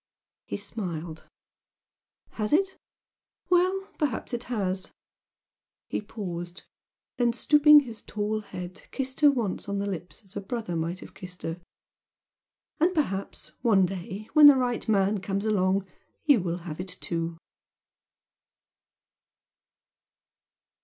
He smiled. "Has it? Well, perhaps it has!" He paused then stooping his tall head kissed her once on the lips as a brother might have kissed her. "And perhaps one day when the right man comes along, you will have it too!"